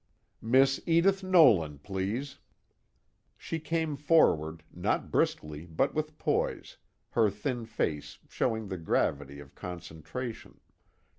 Miss Edith Nolan, please!" She came forward not briskly but with poise, her thin face showing the gravity of concentration.